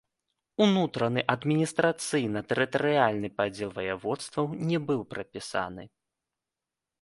Унутраны адміністрацыйна-тэрытарыяльны падзел ваяводства не быў прапісаны.